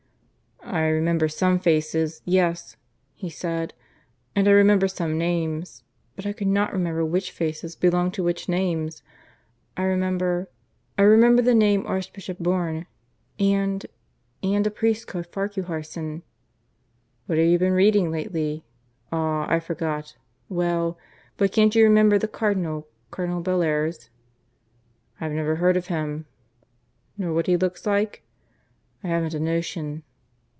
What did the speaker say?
"I remember some faces yes," he said. "And I remember some names. But I cannot remember which faces belong to which names. ... I remember ... I remember the name Archbishop Bourne; and ... and a priest called Farquharson " "What have you been reading lately? ... Ah! I forgot. Well; but can't you remember the Cardinal ... Cardinal Bellairs?" "I've never heard of him." "Nor what he looks like?" "I haven't a notion."